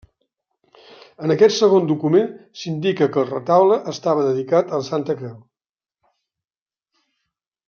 En aquest segon document s'indica que el retaule estava dedicat a la Santa Creu.